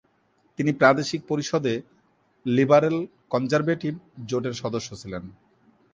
তিনি প্রাদেশিক পরিষদে লিবারেল-কনজারভেটিভ জোটের সদস্য ছিলেন।